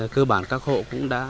cơ bản các hộ cũng đã